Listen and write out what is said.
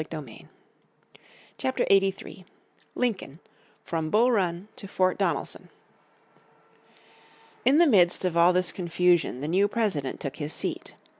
__________ Chapter 83 Lincoln From Bull Run to Fort Donelson IN the midst of all this confusion the new President took his seat.